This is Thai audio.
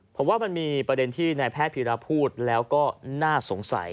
ผมว่ามันมีประเด็นที่นายแพทย์พีราพูดแล้วก็น่าสงสัย